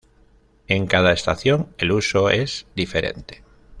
En cada estación el uso es diferente.